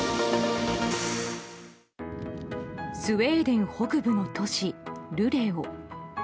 スウェーデン北部の都市ルレオ。